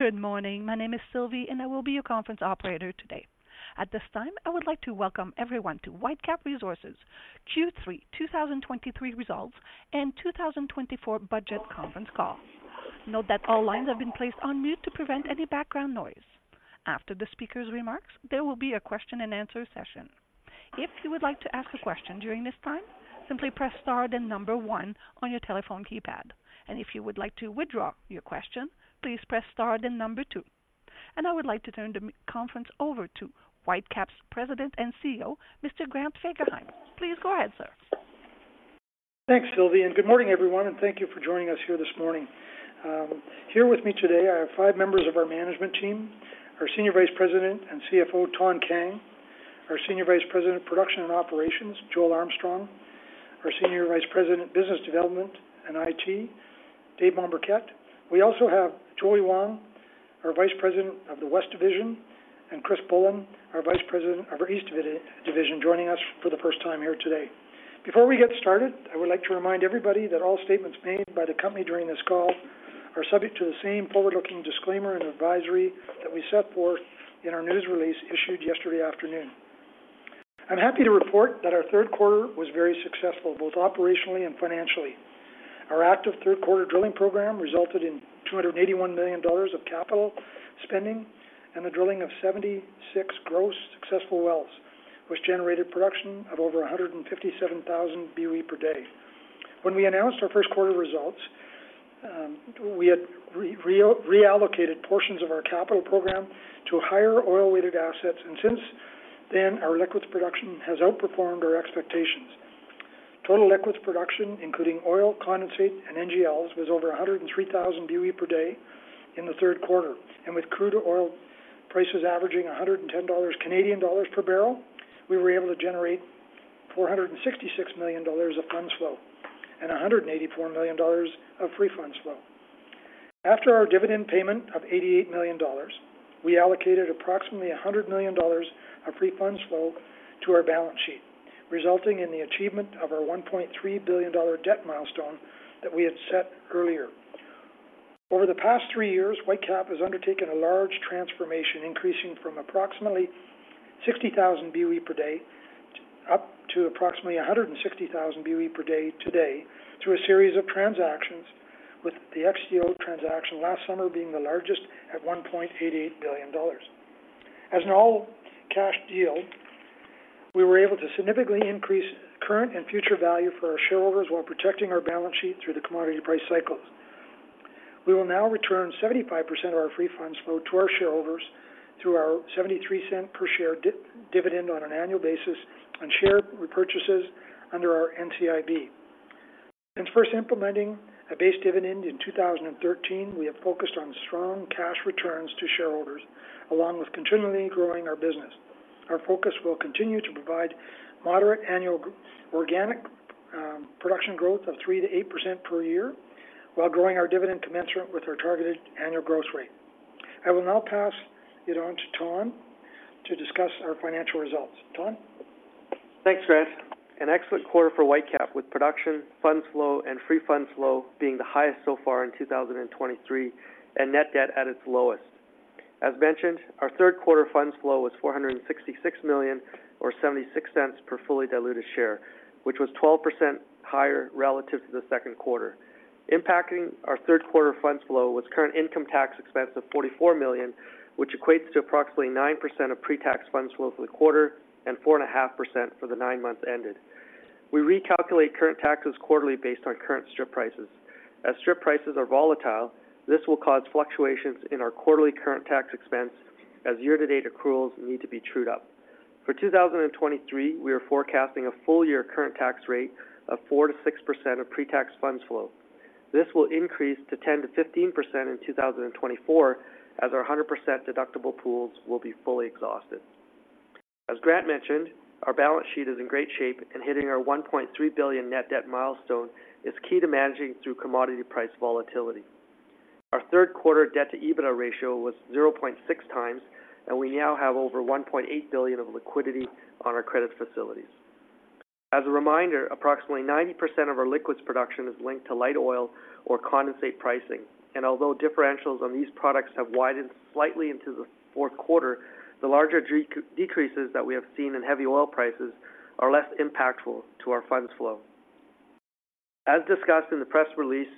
Good morning. My name is Sylvie, and I will be your conference operator today. At this time, I would like to welcome everyone to Whitecap Resources Q3 2023 Results and 2024 Budget Conference Call. Note that all lines have been placed on mute to prevent any background noise. After the speaker's remarks, there will be a question-and-answer session. If you would like to ask a question during this time, simply press star then number one on your telephone keypad. If you would like to withdraw your question, please press star then number two. I would like to turn the conference over to Whitecap's President and CEO, Mr. Grant Fagerheim. Please go ahead, sir. Thanks, Sylvie, and good morning, everyone, and thank you for joining us here this morning. Here with me today, I have five members of our management team, our Senior Vice President and CFO, Thanh Kang, our Senior Vice President, Production and Operations, Joel Armstrong, our Senior Vice President, Business Development and IT, Dave Mombourquette. We also have Joey Wong, our Vice President of the West Division, and Chris Bullin, our Vice President of our East Division, joining us for the first time here today. Before we get started, I would like to remind everybody that all statements made by the company during this call are subject to the same forward-looking disclaimer and advisory that we set forth in our news release issued yesterday afternoon. I'm happy to report that our third quarter was very successful, both operationally and financially. Our active third-quarter drilling program resulted in 281 million dollars of capital spending and the drilling of 76 gross successful wells, which generated production of over 157,000 BOE per day. When we announced our first quarter results, we had reallocated portions of our capital program to higher oil-related assets, and since then, our liquids production has outperformed our expectations. Total liquids production, including oil, condensate, and NGLs, was over 103,000 BOE per day in the third quarter, and with crude oil prices averaging 110 Canadian dollars per barrel, we were able to generate 466 million dollars of funds flow and 184 million dollars of free funds flow. After our dividend payment of 88 million dollars, we allocated approximately 100 million dollars of free funds flow to our balance sheet, resulting in the achievement of our 1.3 billion dollar debt milestone that we had set earlier. Over the past three years, Whitecap has undertaken a large transformation, increasing from approximately 60,000 BOE per day up to approximately 160,000 BOE per day today, through a series of transactions, with the XTO transaction last summer being the largest at $1.88 billion. As an all-cash deal, we were able to significantly increase current and future value for our shareholders while protecting our balance sheet through the commodity price cycles. We will now return 75% of our free funds flow to our shareholders through our 0.73 per share dividend on an annual basis on share repurchases under our NCIB. Since first implementing a base dividend in 2013, we have focused on strong cash returns to shareholders, along with continually growing our business. Our focus will continue to provide moderate annual organic production growth of 3%-8% per year while growing our dividend commensurate with our targeted annual growth rate. I will now pass it on to Thanh to discuss our financial results. Thanh? Thanks, Grant. An excellent quarter for Whitecap, with production, funds flow, and free funds flow being the highest so far in 2023, and net debt at its lowest. As mentioned, our third quarter funds flow was 466 million or 0.76 per fully diluted share, which was 12% higher relative to the second quarter. Impacting our third quarter funds flow was current income tax expense of 44 million, which equates to approximately 9% of pre-tax funds flow for the quarter and 4.5% for the nine months ended. We recalculate current taxes quarterly based on current strip prices. As strip prices are volatile, this will cause fluctuations in our quarterly current tax expense as year-to-date accruals need to be trued up. For 2023, we are forecasting a full year current tax rate of 4%-6% of pre-tax funds flow. This will increase to 10%-15% in 2024, as our 100% deductible pools will be fully exhausted. As Grant mentioned, our balance sheet is in great shape, and hitting our 1.3 billion net debt milestone is key to managing through commodity price volatility. Our third quarter debt-to-EBITDA ratio was 0.6x, and we now have over 1.8 billion of liquidity on our credit facilities. As a reminder, approximately 90% of our liquids production is linked to light oil or condensate pricing, and although differentials on these products have widened slightly into the fourth quarter, the larger decreases that we have seen in heavy oil prices are less impactful to our funds flow. As discussed in the press release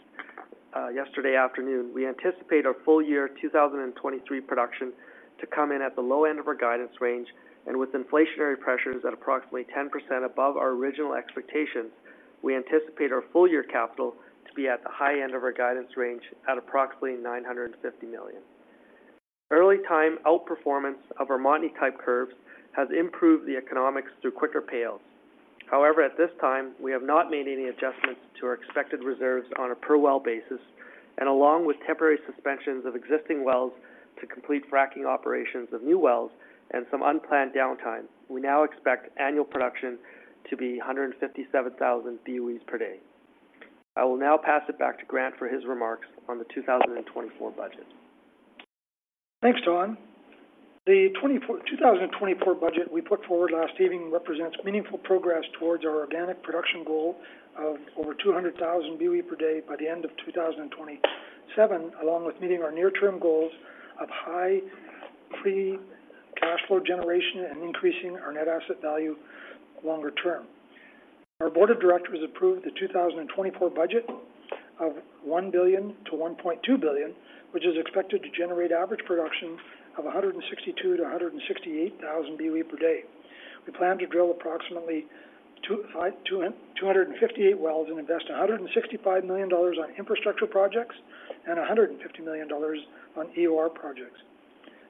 yesterday afternoon, we anticipate our full year 2023 production to come in at the low end of our guidance range, and with inflationary pressures at approximately 10% above our original expectations, we anticipate our full year capital to be at the high end of our guidance range at approximately 950 million. Early time outperformance of our Montney type curves has improved the economics through quicker payouts. However, at this time, we have not made any adjustments to our expected reserves on a per-well basis, and along with temporary suspensions of existing wells to complete fracking operations of new wells and some unplanned downtime, we now expect annual production to be 157,000 BOEs per day. I will now pass it back to Grant for his remarks on the 2024 budget. Thanks, Thanh. The 2024 budget we put forward last evening represents meaningful progress towards our organic production goal of over 200,000 BOE per day by the end of 2027, along with meeting our near-term goals of high free cash flow generation and increasing our net asset value longer term. Our board of directors approved the 2024 budget of 1 billion-1.2 billion, which is expected to generate average production of 162,000-168,000 BOE per day. We plan to drill approximately 258 wells and invest 165 million dollars on infrastructure projects and 150 million dollars on EOR projects.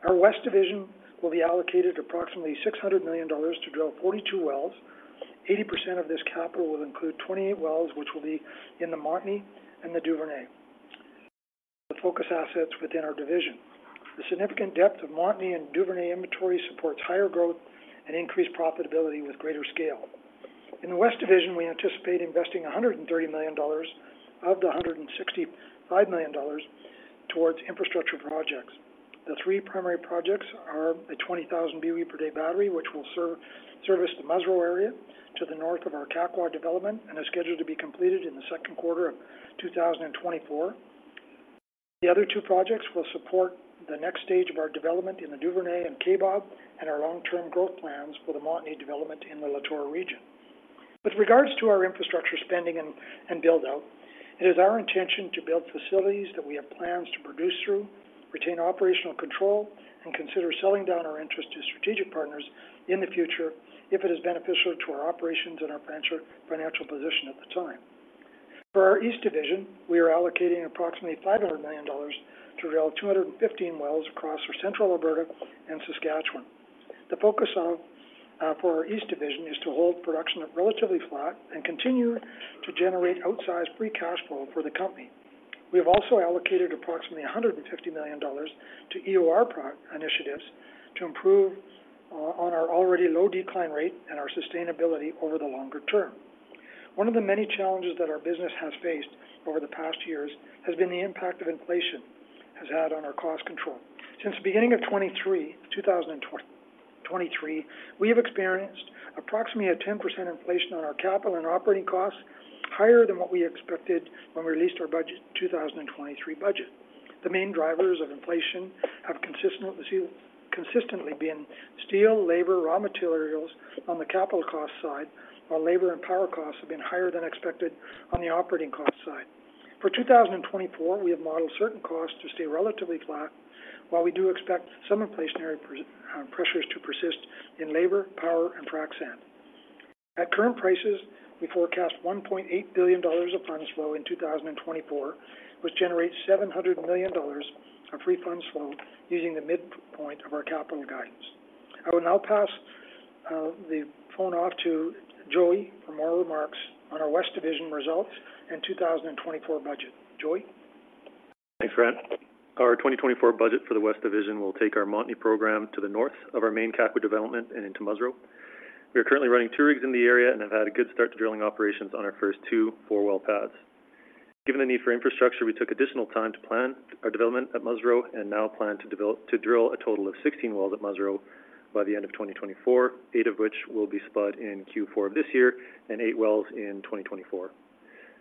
Our West Division will be allocated approximately 600 million dollars to drill 42 wells. 80% of this capital will include 28 wells, which will be in the Montney and the Duvernay, the focus assets within our division. The significant depth of Montney and Duvernay inventory supports higher growth and increased profitability with greater scale. In the West Division, we anticipate investing 130 million dollars of the 165 million dollars towards infrastructure projects. The three primary projects are a 20,000 BOE per day battery, which will service the Musreau area to the north of our Kakwa development and is scheduled to be completed in the second quarter of 2024. The other two projects will support the next stage of our development in the Duvernay and Kaybob, and our long-term growth plans for the Montney development in the Latornell region. With regards to our infrastructure spending and build-out, it is our intention to build facilities that we have plans to produce through, retain operational control, and consider selling down our interest to strategic partners in the future if it is beneficial to our operations and our financial position at the time. For our East Division, we are allocating approximately 500 million dollars to drill 215 wells across our Central Alberta and Saskatchewan. The focus on for our East Division is to hold production at relatively flat and continue to generate outsized free cash flow for the company. We have also allocated approximately 150 million dollars to EOR initiatives to improve on our already low decline rate and our sustainability over the longer term. One of the many challenges that our business has faced over the past years has been the impact of inflation has had on our cost control. Since the beginning of 2023, 2023, we have experienced approximately 10% inflation on our capital and operating costs, higher than what we expected when we released our budget, 2023 budget. The main drivers of inflation have consistently been steel, labor, raw materials on the capital cost side, while labor and power costs have been higher than expected on the operating cost side. For 2024, we have modeled certain costs to stay relatively flat, while we do expect some inflationary pressures to persist in labor, power, and frac sand. At current prices, we forecast 1.8 billion dollars of funds flow in 2024, which generates 700 million dollars of free funds flow, using the midpoint of our capital guidance. I will now pass the phone off to Joey for more remarks on our West Division results and 2024 budget. Joey? Thanks, Grant. Our 2024 budget for the West Division will take our Montney program to the north of our main Kakwa development and into Musreau. We are currently running two rigs in the area and have had a good start to drilling operations on our first two four-well pads. Given the need for infrastructure, we took additional time to plan our development at Musreau and now plan to drill a total of 16 wells at Musreau by the end of 2024, eight of which will be spud in Q4 of this year and eight wells in 2024.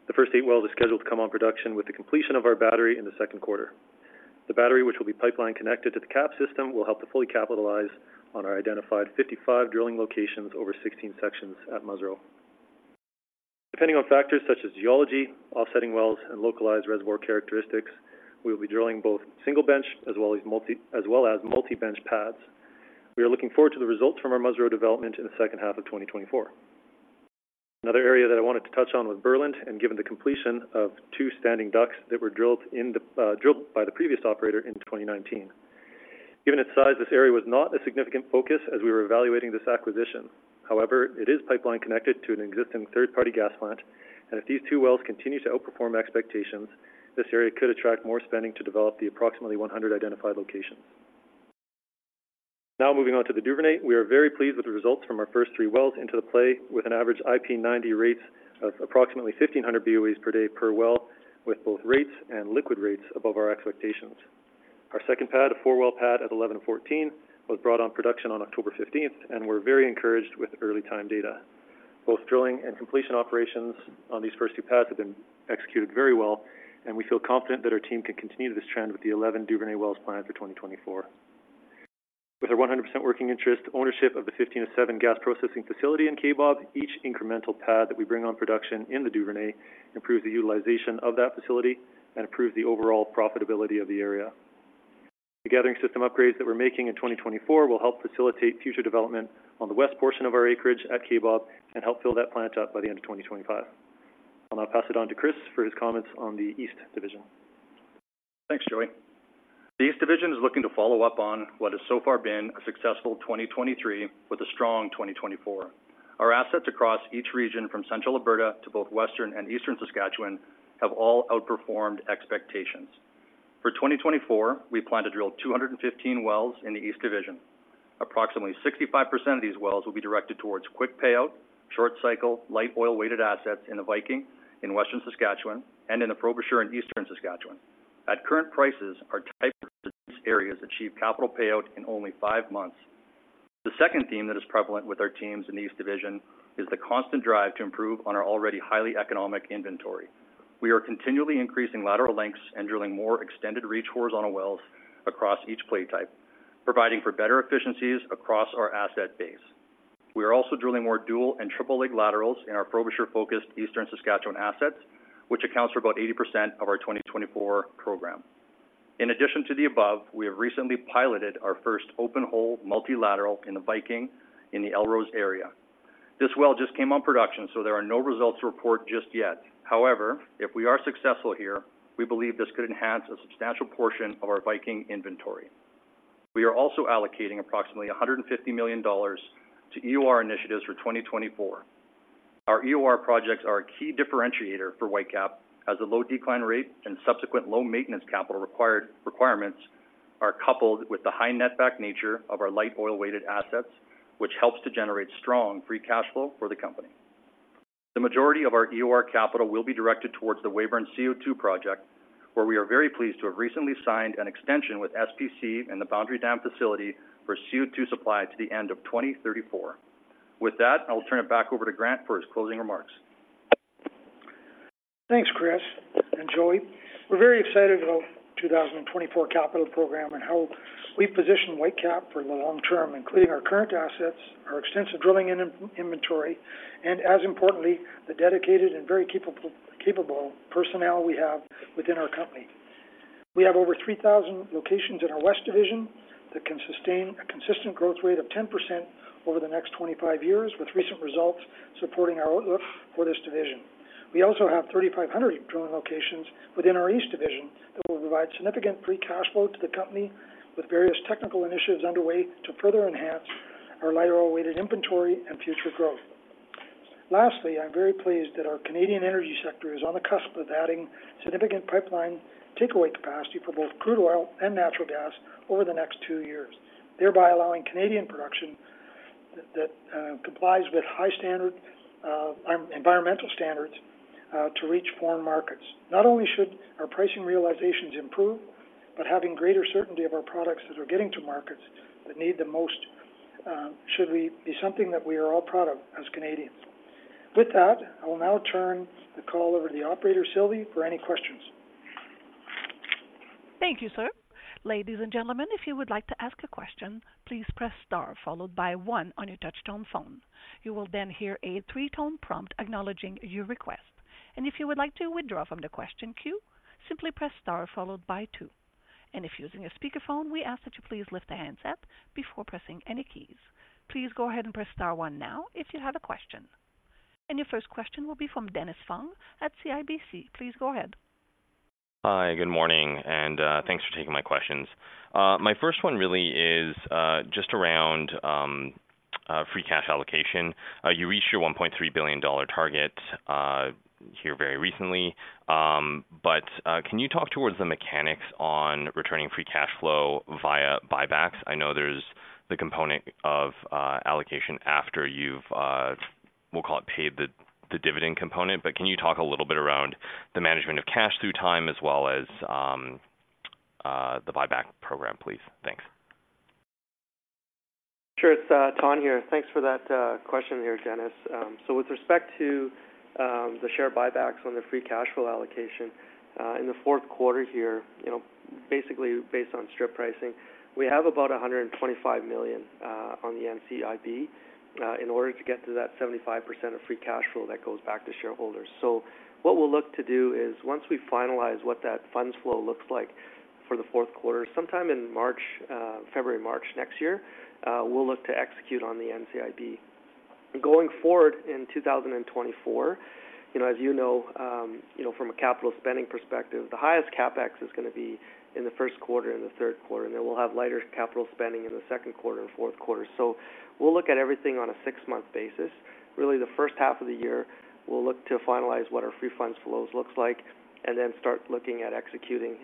The first eight wells are scheduled to come on production with the completion of our battery in the second quarter. The battery, which will be pipeline connected to the KAPS system, will help to fully capitalize on our identified 55 drilling locations over 16 sections at Musreau. Depending on factors such as geology, offsetting wells, and localized reservoir characteristics, we will be drilling both single-bench as well as multi-bench pads. We are looking forward to the results from our Musreau development in the second half of 2024. Another area that I wanted to touch on was Berland, and given the completion of two standing DUCs that were drilled in the drilled by the previous operator in 2019. Given its size, this area was not a significant focus as we were evaluating this acquisition. However, it is pipeline connected to an existing third-party gas plant, and if these two wells continue to outperform expectations, this area could attract more spending to develop the approximately 100 identified locations. Now, moving on to the Duvernay. We are very pleased with the results from our first three wells into the play, with an average IP90 rates of approximately 1,500 BOE per day per well, with both rates and liquid rates above our expectations. Our second pad, a four-well pad at 11-14, was brought on production on October 15th, and we're very encouraged with the early time data. Both drilling and completion operations on these first two pads have been executed very well, and we feel confident that our team can continue this trend with the 11 Duvernay wells planned for 2024. With our 100% working interest ownership of the 15-07 gas processing facility in Kaybob, each incremental pad that we bring on production in the Duvernay improves the utilization of that facility and improves the overall profitability of the area. The gathering system upgrades that we're making in 2024 will help facilitate future development on the west portion of our acreage at Kaybob and help fill that plant up by the end of 2025. I'll now pass it on to Chris for his comments on the East Division. Thanks, Joey. The East Division is looking to follow up on what has so far been a successful 2023 with a strong 2024. Our assets across each region, from Central Alberta to both Western and Eastern Saskatchewan, have all outperformed expectations. For 2024, we plan to drill 215 wells in the East Division. Approximately 65% of these wells will be directed towards quick payout, short cycle, light oil-weighted assets in the Viking, in Western Saskatchewan, and in the Frobisher in Eastern Saskatchewan. At current prices, our type areas achieve capital payout in only five months. The second theme that is prevalent with our teams in the East Division is the constant drive to improve on our already highly economic inventory. We are continually increasing lateral lengths and drilling more extended reach horizontal wells across each play type, providing for better efficiencies across our asset base. We are also drilling more dual and triple-leg laterals in our Frobisher-focused Eastern Saskatchewan assets, which accounts for about 80% of our 2024 program. In addition to the above, we have recently piloted our first open-hole multilateral in the Viking in the Elrose area. This well just came on production, so there are no results to report just yet. However, if we are successful here, we believe this could enhance a substantial portion of our Viking inventory. We are also allocating approximately 150 million dollars to EOR initiatives for 2024. Our EOR projects are a key differentiator for Whitecap, as the low decline rate and subsequent low maintenance capital requirements are coupled with the high netback nature of our light oil-weighted assets, which helps to generate strong free cash flow for the company. The majority of our EOR capital will be directed towards the Weyburn CO₂ project, where we are very pleased to have recently signed an extension with SPC and the Boundary Dam facility for CO₂ supply to the end of 2034. With that, I'll turn it back over to Grant for his closing remarks. Thanks, Chris and Joey. We're very excited about the 2024 capital program and how we've positioned Whitecap for the long term, including our current assets, our extensive drilling and in-inventory, and as importantly, the dedicated and very capable, capable personnel we have within our company. We have over 3,000 locations in our West Division that can sustain a consistent growth rate of 10% over the next 25 years, with recent results supporting our outlook for this division. We also have 3,500 drilling locations within our East Division that will provide significant free cash flow to the company, with various technical initiatives underway to further enhance our lighter oil-weighted inventory and future growth. Lastly, I'm very pleased that our Canadian energy sector is on the cusp of adding significant pipeline takeaway capacity for both crude oil and natural gas over the next two years, thereby allowing Canadian production that complies with high standard environmental standards to reach foreign markets. Not only should our pricing realizations improve, but having greater certainty of our products as we're getting to markets that need the most should be something that we are all proud of as Canadians. With that, I will now turn the call over to the operator, Sylvie, for any questions. Thank you, sir. Ladies and gentlemen, if you would like to ask a question, please press star followed by one on your touchtone phone. You will then hear a three-tone prompt acknowledging your request. And if you would like to withdraw from the question queue, simply press star followed by two. And if using a speakerphone, we ask that you please lift the handset before pressing any keys. Please go ahead and press star one now if you have a question. And your first question will be from Dennis Fong at CIBC. Please go ahead. Hi, good morning, and thanks for taking my questions. My first one really is just around free cash allocation. You reached your 1.3 billion dollar target here very recently, but can you talk towards the mechanics on returning free cash flow via buybacks? I know there's the component of allocation after you've we'll call it paid the dividend component, but can you talk a little bit around the management of cash through time as well as the buyback program, please? Thanks. Sure. It's Thanh here. Thanks for that question there, Dennis. So with respect to the share buybacks on the free cash flow allocation in the fourth quarter here, you know, basically based on strip pricing, we have about 125 million on the NCIB in order to get to that 75% of free cash flow that goes back to shareholders. So what we'll look to do is, once we finalize what that funds flow looks like for the fourth quarter, sometime in March, February, March next year, we'll look to execute on the NCIB. Going forward in 2024, you know, you know, from a capital spending perspective, the highest CapEx is gonna be in the first quarter and the third quarter, and then we'll have lighter capital spending in the second quarter and fourth quarter. So we'll look at everything on a six-month basis. Really, the first half of the year, we'll look to finalize what our free funds flow looks like and then start looking at executing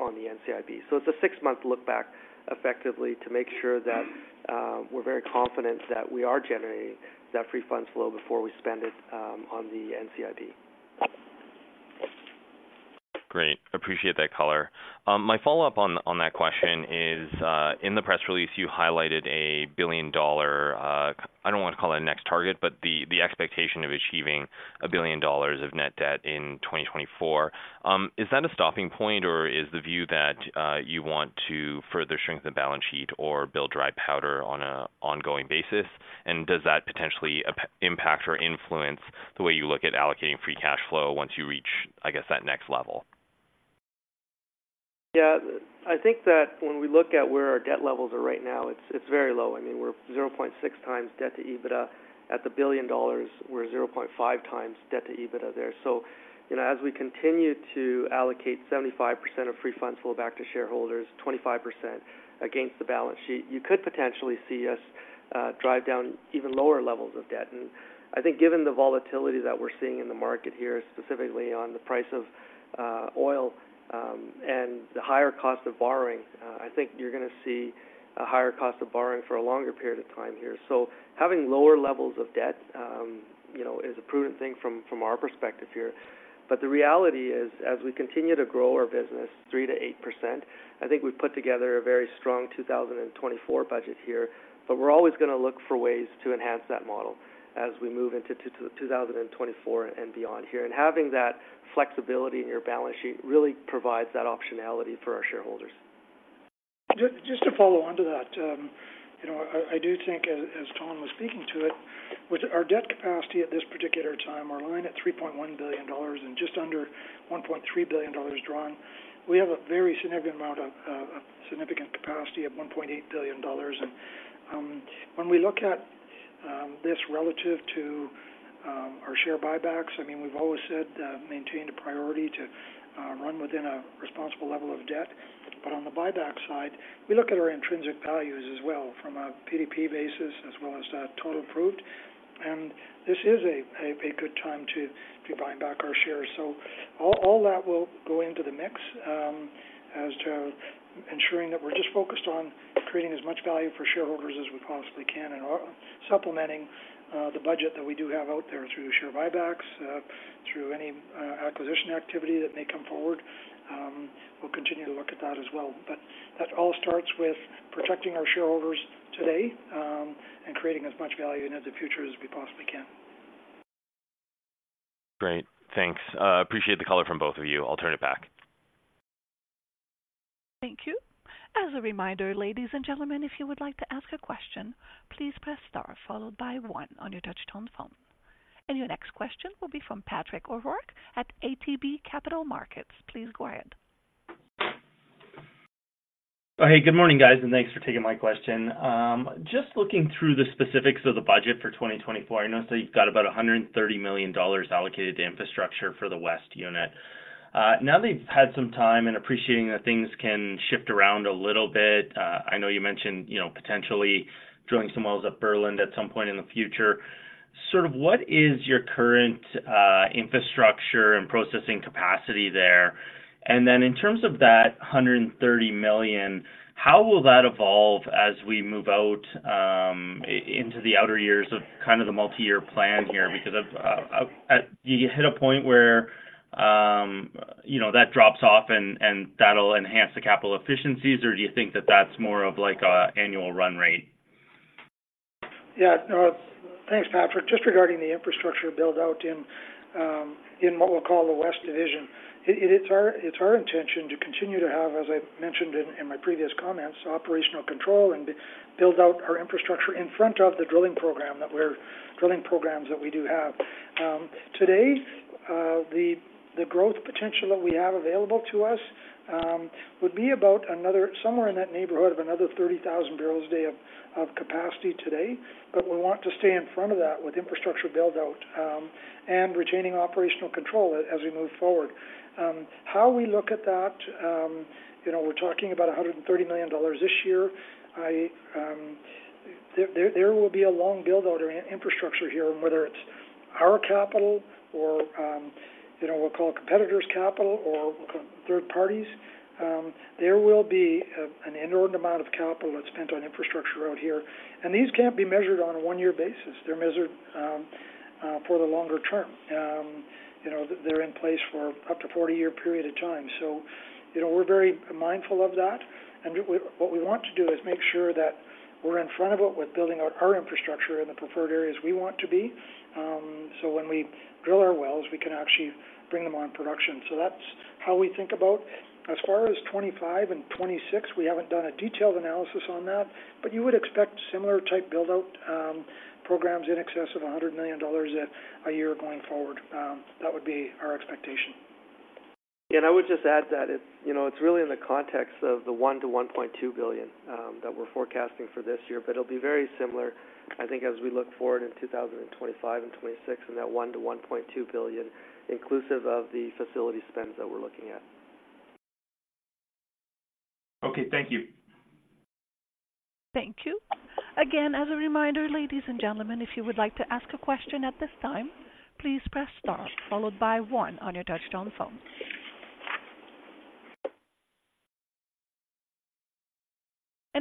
on the NCIB. So it's a six-month look back, effectively, to make sure that we're very confident that we are generating that free funds flow before we spend it on the NCIB. Great. Appreciate that color. My follow-up on, on that question is, in the press release, you highlighted a billion-dollar, I don't want to call it a next target, but the, the expectation of achieving 1 billion dollars of net debt in 2024. Is that a stopping point, or is the view that, you want to further strengthen the balance sheet or build dry powder on an ongoing basis? And does that potentially impact or influence the way you look at allocating free cash flow once you reach, I guess, that next level? Yeah, I think that when we look at where our debt levels are right now, it's, it's very low. I mean, we're 0.6x debt to EBITDA. At the 1 billion dollars, we're 0.5x debt to EBITDA there. You know, as we continue to allocate 75% of free funds flow back to shareholders, 25% against the balance sheet, you could potentially see us drive down even lower levels of debt. I think given the volatility that we're seeing in the market here, specifically on the price of, oil, and the higher cost of borrowing, I think you're gonna see a higher cost of borrowing for a longer period of time here. Having lower levels of debt, you know, is a prudent thing from our perspective here. The reality is, as we continue to grow our business 3%-8%, I think we've put together a very strong 2024 budget here, but we're always gonna look for ways to enhance that model as we move into 2024 and beyond here. Having that flexibility in your balance sheet really provides that optionality for our shareholders. Just to follow on to that, you know, I do think as Thanh was speaking to it, with our debt capacity at this particular time, our line at 3.1 billion dollars and just under 1.3 billion dollars drawn, we have a very significant amount of significant capacity of 1.8 billion dollars. And when we look at this relative to our share buybacks, I mean, we've always said maintained a priority to run within a responsible level of debt. But on the buyback side, we look at our intrinsic values as well, from a PDP basis, as well as that total proved. And this is a good time to be buying back our shares. So all that will go into the mix as to ensuring that we're just focused on creating as much value for shareholders as we possibly can and supplementing the budget that we do have out there through share buybacks through any acquisition activity that may come forward. We'll continue to look at that as well. But that all starts with protecting our shareholders today and creating as much value into the future as we possibly can. Great, thanks. Appreciate the color from both of you. I'll turn it back. Thank you. As a reminder, ladies and gentlemen, if you would like to ask a question, please press star followed by one on your touchtone phone. Your next question will be from Patrick O'Rourke at ATB Capital Markets. Please go ahead. Hey, good morning, guys, and thanks for taking my question. Just looking through the specifics of the budget for 2024, I noticed that you've got about 130 million dollars allocated to infrastructure for the West unit. Now that you've had some time and appreciating that things can shift around a little bit, I know you mentioned, you know, potentially drilling some wells at Berland at some point in the future. Sort of what is your current infrastructure and processing capacity there? And then in terms of that 130 million, how will that evolve as we move out into the outer years of kind of the multi-year plan here? Because of, you hit a point where, you know, that drops off and that'll enhance the capital efficiencies, or do you think that that's more of like an annual run rate? Yeah. No, thanks, Patrick. Just regarding the infrastructure build-out in what we'll call the West Division, it's our intention to continue to have, as I mentioned in my previous comments, operational control and build out our infrastructure in front of the drilling programs that we do have. Today, the growth potential that we have available to us would be about another somewhere in that neighborhood of another 30,000 barrels a day of capacity today. But we want to stay in front of that with infrastructure build-out and retaining operational control as we move forward. How we look at that, you know, we're talking about 130 million dollars this year. There will be a long build-out in infrastructure here, whether it's our capital or, you know, we'll call competitors' capital or third parties. There will be an inordinate amount of capital that's spent on infrastructure out here, and these can't be measured on a one-year basis. They're measured for the longer term. You know, they're in place for up to 40-year period of time. So, you know, we're very mindful of that. And we, what we want to do is make sure that we're in front of it with building out our infrastructure in the preferred areas we want to be, so when we drill our wells, we can actually bring them on production. So that's how we think about. As far as 2025 and 2026, we haven't done a detailed analysis on that, but you would expect similar type build-out programs in excess of 100 million dollars a year going forward. That would be our expectation. I would just add that it's, you know, it's really in the context of the 1 billion-1.2 billion that we're forecasting for this year, but it'll be very similar, I think, as we look forward in 2025 and 2026, and that 1 billion-1.2 billion, inclusive of the facility spends that we're looking at. Okay, thank you. Thank you. Again, as a reminder, ladies and gentlemen, if you would like to ask a question at this time, please press star, followed by one on your touchtone phone.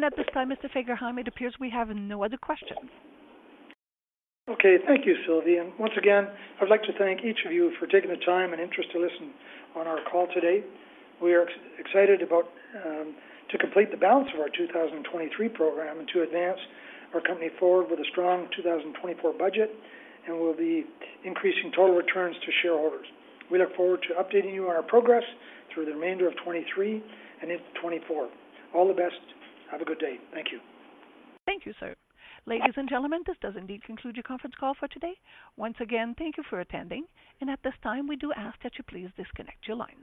At this time, Mr. Fagerheim, it appears we have no other questions. Okay. Thank you, Sylvie. And once again, I'd like to thank each of you for taking the time and interest to listen on our call today. We are excited about to complete the balance of our 2023 program and to advance our company forward with a strong 2024 budget, and we'll be increasing total returns to shareholders. We look forward to updating you on our progress through the remainder of 2023 and in 2024. All the best. Have a good day. Thank you. Thank you, sir. Ladies and gentlemen, this does indeed conclude your conference call for today. Once again, thank you for attending, and at this time, we do ask that you please disconnect your lines.